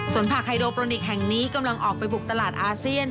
ส่วนผักไฮโดโปรนิกแห่งนี้กำลังออกไปบุกตลาดอาเซียน